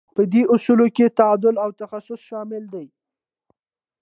په دې اصولو کې تعادل او تخصص شامل دي.